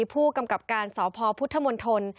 ผู้กำกับการสพพุทธมณฑล